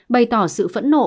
bày tỏ sự phẫn nộ